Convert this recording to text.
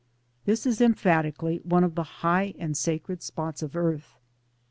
This is emphatically one of the high and sacred spots of earth.